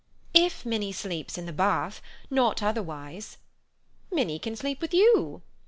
"If Minnie sleeps in the bath. Not otherwise." "Minnie can sleep with you."